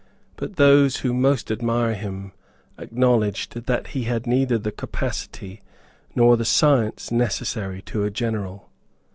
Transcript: But those who most admired him acknowledged that he had neither the capacity nor the science necessary to a general.